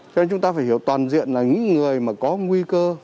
cho nên chúng ta phải hiểu toàn diện là những người mà có nguy cơ